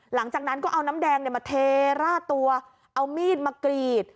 หลังจากนั้นก็เอาน้ำแดงมาเทราดตัวเอามีดมากรีด